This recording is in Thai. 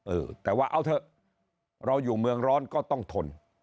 เออแต่ว่าเอาเถอะเราอยู่เมืองร้อนก็ต้องทน